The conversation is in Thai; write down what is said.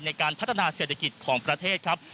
ในการพัฒนาเศรษฐกิจของประเทศครับ